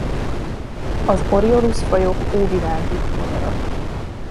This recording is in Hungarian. Az Oriolus-fajok óvilági madarak.